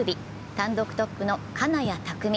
単独トップの金谷拓実。